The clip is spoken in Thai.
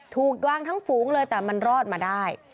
ถูกวางทั้งฝูงเลยแต่มันรอดมาได้